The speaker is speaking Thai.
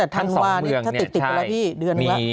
ทั้งสองเมืองเนี่ยใช่